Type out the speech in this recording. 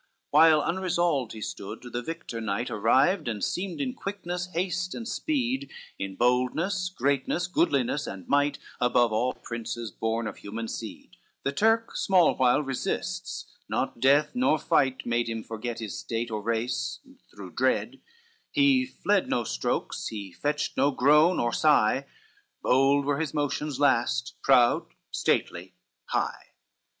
CVII While unresolved he stood, the victor knight Arrived, and seemed in quickness, haste and speed, In boldness, greatness, goodliness and might, Above all princes born of human seed: The Turk small while resists, not death nor fight Made him forget his state or race, through dreed, He fled no strokes, he fetched no groan nor sigh, Bold were his motions last, proud, stately, high.